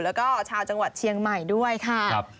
แล้วก็ชาวจังหวัดเชียงใหม่ด้วยค่ะ